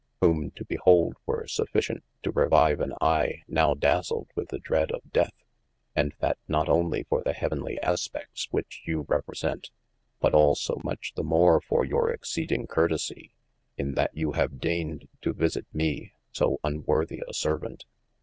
whome to behold, were sufficient to revive an eye now dazled with the dread of death :& that not onely for the heavenly aspefts whiche you represent, but also much the more for your exceeding curtesie, in that you have deigned to visit mee so unworthie a servaunt.